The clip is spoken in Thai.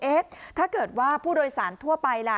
ถ้าเกิดว่าผู้โดยสารทั่วไปล่ะ